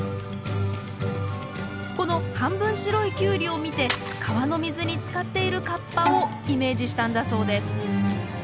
この半分白いキュウリを見て川の水につかっている河童をイメージしたんだそうです